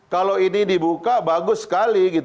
kalau ini dibuka bagus sekali